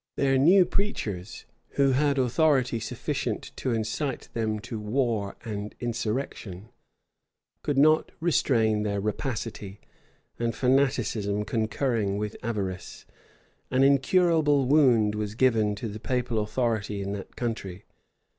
Their new preachers, who had authority sufficient to incite them to war and insurrection, could not restrain their rapacity; and fanaticism concurring with avarice, an incurable wound was given to the papal authority in that country.